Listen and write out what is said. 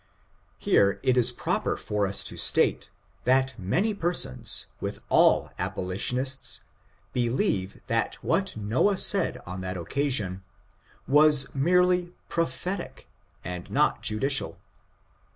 Here it is proper for us to state, that many persons, with cdl abolitionists, believe that what Noah said on that occasion was merely prophetic and not judicial.